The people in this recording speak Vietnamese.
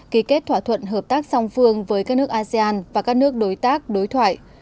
ký kết thỏa thuận hợp tác song phương với các nước asean và các nước đối tác đối thoại